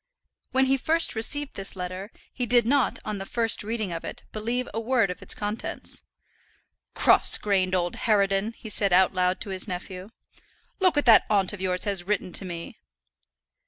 When he first received this letter, he did not, on the first reading of it, believe a word of its contents. "Cross grained old harridan," he said out loud to his nephew. "Look what that aunt of yours has written to me."